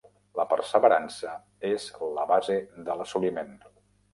La perseverança és la base de l'assoliment.